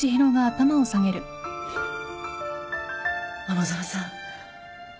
桃園さん